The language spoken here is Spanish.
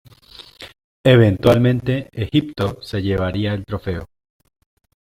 Eventualmente, Egipto se llevaría el trofeo.